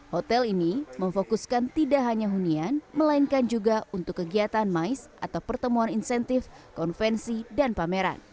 hotel ini memfokuskan tidak hanya hunian melainkan juga untuk kegiatan mais atau pertemuan insentif konvensi dan pameran